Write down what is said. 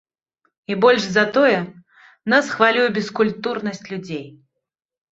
І больш за тое, нас хвалюе бескультурнасць людзей.